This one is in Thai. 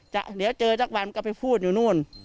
เดี๋ยวเจอสักวันก็ไปพูดอยู่นู่น